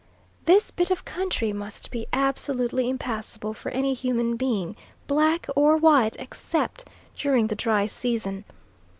This bit of country must be absolutely impassable for any human being, black or white, except during the dry season.